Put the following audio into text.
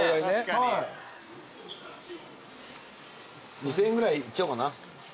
２，０００円ぐらいいっちゃおうかな。